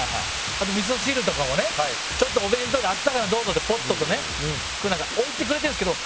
あとみそ汁とかもねちょっとお弁当で温かいのどうぞってポットとね置いてくれてるんですけど。